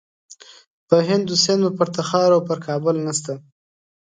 په هند و سند و پر تخار او پر کابل نسته.